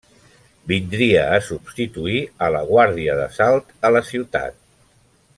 Vindria a substituir a la Guàrdia d'Assalt a la ciutat.